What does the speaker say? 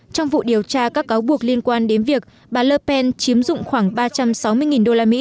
trong vụ điều tra các cáo buộc liên quan đến việc bà ler pence chiếm dụng khoảng ba trăm sáu mươi usd